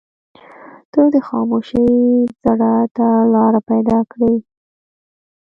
• ته د خاموشۍ زړه ته لاره پیدا کړې.